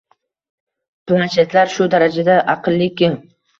Planshetlar shu darajada aqlliki